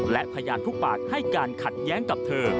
และพยานทุกปากให้การขัดแย้งกับเธอ